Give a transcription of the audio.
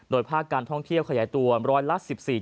ภาคการท่องเที่ยวขยายตัวร้อยละ๑๔